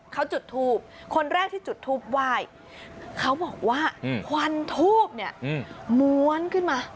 เขาจุดทูบคนแรกที่จุดทูปไหว้เขาบอกว่าควันทูบเนี่ยม้วนขึ้นมา